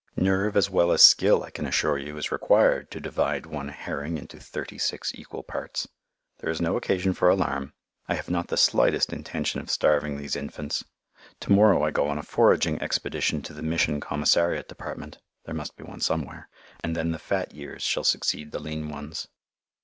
Nerve as well as skill, I can assure you, is required to divide one herring into thirty six equal parts. There is no occasion for alarm. I have not the slightest intention of starving these infants. To morrow I go on a foraging expedition to the Mission commissariat department (there must be one somewhere), and then the fat years shall succeed the lean ones.